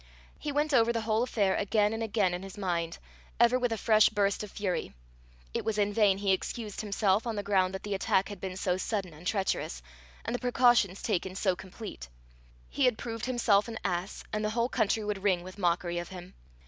He went over the whole affair again and again in his mind, ever with a fresh burst of fury. It was in vain he excused himself on the ground that the attack had been so sudden and treacherous, and the precautions taken so complete. He had proved himself an ass, and the whole country would ring with mockery of him!